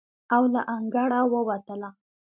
او له انګړه ووتله.